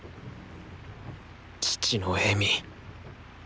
父の笑み。